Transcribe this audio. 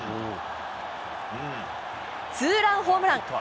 ツーランホームラン。